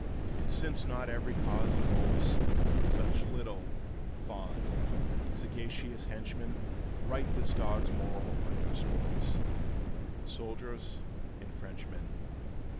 And since not every cause enrolls Such little, fond, sagacious henchmen, Write this dog's moral on your scrolls, Soldiers and Frenchmen!